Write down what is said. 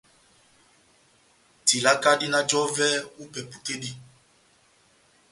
Tilaka dina jɔvɛ ó ipɛpu tɛ́ dí.